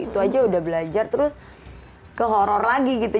itu aja udah belajar terus ke horror lagi gitu